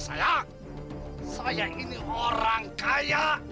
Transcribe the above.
saya adalah orang kaya